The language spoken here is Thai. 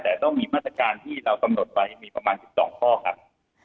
แต่ต้องมีมาตรการที่เรากำหนดไว้มีประมาณ๑๒ข้อครับ